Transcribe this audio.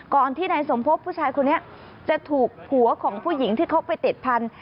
ก่อนที่นายสมภพผู้ชายคนนี้จะถูกผัวของผู้หญิงที่เขาไปติดพันธุ